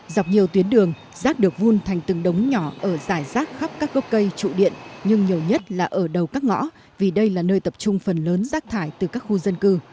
dọc nhiều tuyến đường rác được vun thành từng đống nhỏ ở dài rác khắp các gốc cây trụ điện nhưng nhiều nhất là ở đầu các ngõ vì đây là nơi tập trung phần lớn rác thải từ các khu dân cư